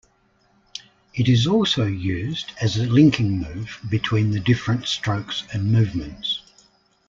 It is also used as a linking move between the different strokes and movements.